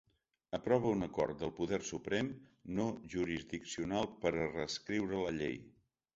Aprova un acord del poder suprem no jurisdiccional per a reescriure la llei.